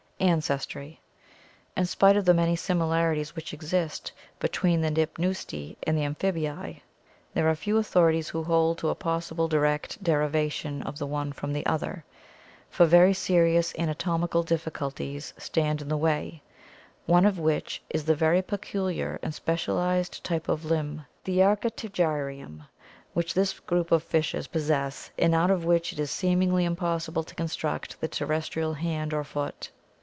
Ancestry In spite of the many similarities which exist between the Dip neusti and the amphibia, there are few authorities who hold to a possible direct derivation of the one from the other, for very serious anatomical difficulties stand in the way, one of which is the very peculiar and specialized type of limb, the archipterygium, which this group of fishes possess, and out of which it is seemingly im possible to construct the terrestrial hand or foot.